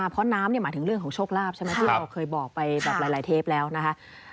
เพราะน้ำหมายถึงเรื่องของโชคลาภใช่ไหมที่เราเคยบอกไปแบบหลายเทปแล้วนะคะ